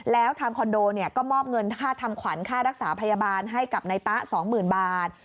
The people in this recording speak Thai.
แล้วทางคอนโดก็มอบเงินค่าทำขวัญค่ารักษาพยาบาลให้กับนายตะ๒๐๐๐บาท